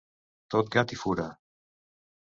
Tot gat i fura.